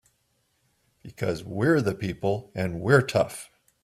Because we're the people and we're tough!